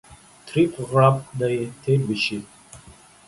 تريخ غړپ دى تير به سي.